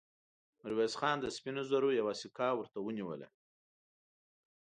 ميرويس خان د سپينو زرو يوه سيکه ورته ونيوله.